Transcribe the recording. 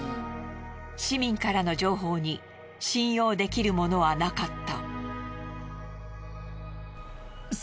市民からの情報に信用できるものはなかった。